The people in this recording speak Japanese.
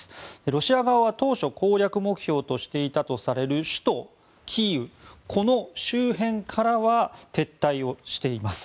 ロシア側は当初攻略目標としていたとされる首都キーウ周辺からは撤退をしています。